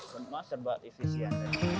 semua serba efisien